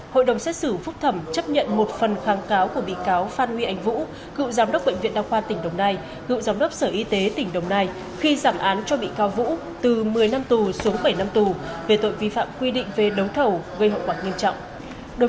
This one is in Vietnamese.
hội đồng xét xử phúc thẩm chấp nhận một phần kháng cáo của bị cáo phan huy anh vũ cựu giám đốc bệnh viện đa khoa tỉnh đồng nai cựu giám đốc sở y tế tỉnh đồng nai khi giảm án cho bị cáo vũ từ một mươi năm tù xuống bảy năm tù về tội vi phạm quy định về đấu thầu gây hậu quả nghiêm trọng